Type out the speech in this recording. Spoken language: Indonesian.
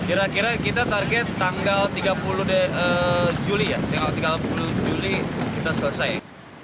kira kira kita target tanggal tiga puluh juli ya tanggal tiga puluh juli kita selesai